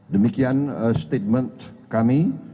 demikian statement kami